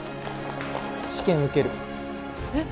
試験受けるえっ？